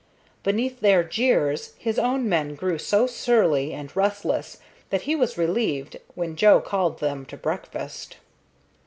Beneath their jeers his own men grew so surly and restless that he was relieved when Joe called them to breakfast.